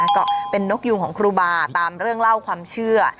ก็เป็นนกยูงของครูบาตามเรื่องเล่าความเชื่อ